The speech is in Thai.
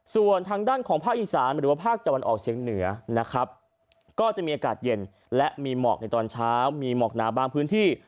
ส่วนทางด้านของภาคอีสานหรือว่าภาคตะวันออกเชียงเหนือนะครับก็จะมีอากาศเย็นและมีหมอกในตอนเช้ามีหมอกหนาบางพื้นที่